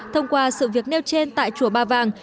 thông qua sự việc nêu trên tại chùa ba vàng